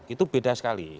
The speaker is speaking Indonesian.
itu beda sekali